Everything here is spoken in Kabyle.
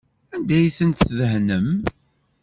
Anda ay tent-tdehnem?